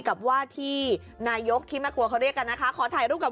กับว่าที่นายกที่แม่ครัวเขาเรียกกันนะคะขอถ่ายรูปกับ